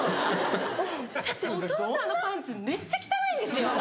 だってお父さんのパンツめっちゃ汚いんですよ！